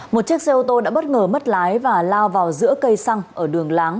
một chiếc xe ô tô đã bất ngờ mất lái và lao vào giữa cây xăng ở đường láng